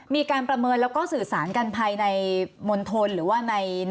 มีการประเมินและก็สื่อสารกันภัยในมณฑลหรือว่าในมืองไหมค่ะ